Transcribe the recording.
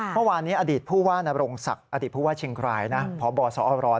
เมื่อวานนี้อดีตพูดว่ารงศักดิ์อดีตพูดว่าเชียงไคร่เพราะบ่อสรรค์รอจำได้ไหมฮะ